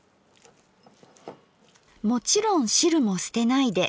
もちろん汁も捨てないで。